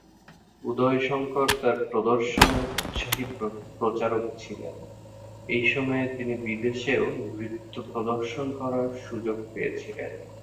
উদয় শঙ্কর তাঁর প্রদর্শনের উৎসাহী প্রচারক ছিলেন, এই সময়ে তিনি বিদেশেও নৃত্য প্রদর্শন করার সুযোগ পেয়েছিলেন।